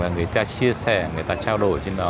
người ta chia sẻ người ta trao đổi trên đó